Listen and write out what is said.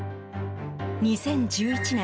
２０１１年